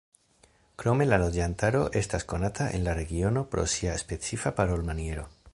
Krome la loĝantaro estas konata en la regiono pro sia specifa parolmaniero.